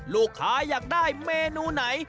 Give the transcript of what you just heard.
ลูกค้าอยากได้เมนูไหน